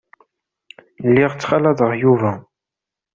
Lliɣ ttxalaḍeɣ Yuba.